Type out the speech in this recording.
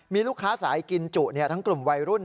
มีลูกค้าสายกินจุทั้งกลุ่มวัยรุ่น